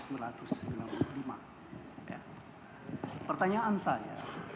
ya pertanyaan saya